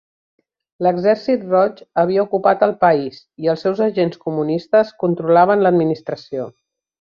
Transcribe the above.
L'Exèrcit Roig havia ocupat el país, i els seus agents comunistes controlaven l'administració.